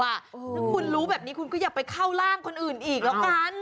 ถ้าคุณรู้แบบนี้คุณก็อย่าไปเข้าร่างคนอื่นอีกแล้วกัน